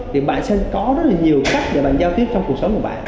thì bạn sẽ có rất là nhiều cách để bạn giao tiếp trong cuộc sống của bạn